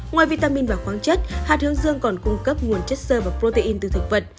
ngoài vitamin và khoáng chất hạt hướng dương còn cung cấp nguồn chất sơ và protein từ thực vật